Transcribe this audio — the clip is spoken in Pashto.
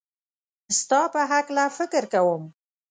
ستا په هکله فکر کوم